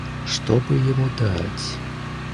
Что бы ему дать?